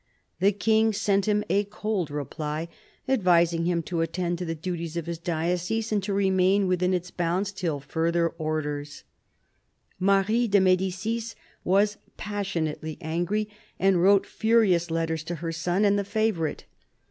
The King sent a cold reply, advising him to attend to the duties of his diocese and to remain within its bounds till further orders, Marie de M^dicis was passionately angry, and wrote furious letters to her son and the favourite.